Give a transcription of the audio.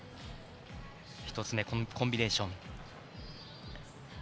１つ目、コンビネーション。